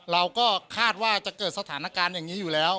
เราก็คาดว่าจะเกิดสถานการณ์อย่างนี้อยู่แล้ว